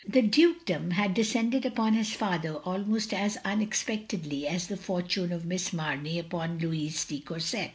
The dukedom had descended upon his father almost as unexpectedly as the forttme of Miss Mamey upon Louis de Courset.